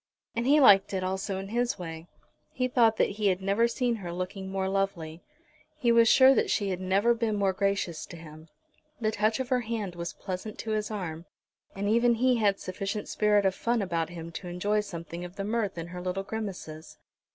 And he liked it also in his way. He thought that he had never seen her looking more lovely. He was sure that she had never been more gracious to him. The touch of her hand was pleasant to his arm, and even he had sufficient spirit of fun about him to enjoy something of the mirth of her little grimaces.